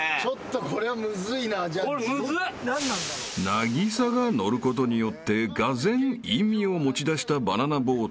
［凪咲が乗ることによってがぜん意味を持ちだしたバナナボート］